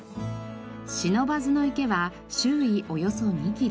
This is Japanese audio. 不忍池は周囲およそ２キロ。